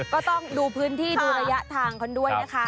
ก็ต้องดูพื้นที่ดูระยะทางกันด้วยนะคะ